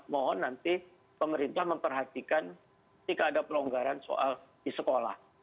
mohon nanti pemerintah memperhatikan jika ada pelonggaran soal di sekolah